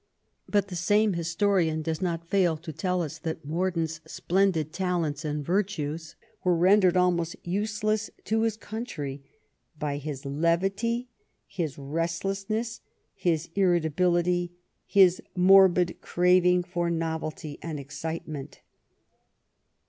But the same historian does not fail to tell us that Mordaunt's " splendid talents and virtues were rendered almost useless to his country by his levity, his restlessness, his irritability, his morbid craving for novelty and excitement."